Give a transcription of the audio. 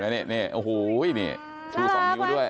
นี่โอ้โหนี่ชู๒นิ้วด้วย